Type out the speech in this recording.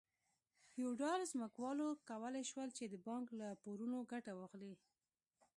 فیوډال ځمکوالو کولای شول چې د بانک له پورونو ګټه واخلي.